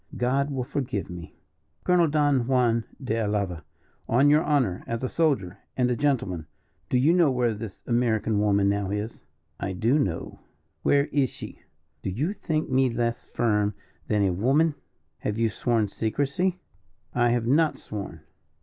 "God will forgive me." "Colonel Don Juan de Alava, on your honour, as a soldier and a gentleman, do you know where this American woman now is?" "I do know." "Where is she?" "Do you think me less firm than a woman?" "Have you sworn secrecy?" "I have not sworn."